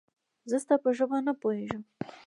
زه ستا په ژبه نه پوهېږم